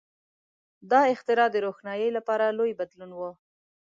• دا اختراع د روښنایۍ لپاره لوی بدلون و.